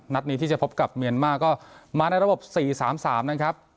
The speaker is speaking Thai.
นัดนี้ที่จะพบกับเมียนมาร์ก็มาในระบบ๔๓๓นะครับ